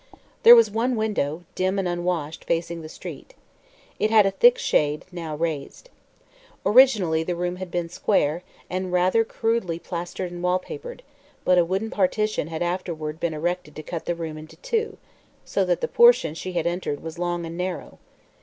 There was one window, dim and unwashed, facing the street. It had a thick shade, now raised. Originally the room had been square, and rather crudely plastered and wallpapered, but a wooden partition had afterward been erected to cut the room into two, so that the portion she had entered was long and narrow.